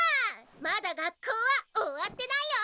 まだ学校は終わってないよ！